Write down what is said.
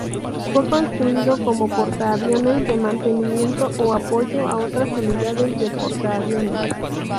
Fue construido como portaaviones de mantenimiento o apoyo a otras unidades de portaaviones.